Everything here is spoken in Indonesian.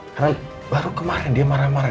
karena baru kemarin dia marah marah